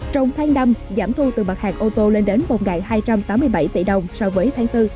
trong tháng năm giảm thu từ mặt hàng ô tô lên đến một hai trăm tám mươi bảy tỷ đồng so với tháng bốn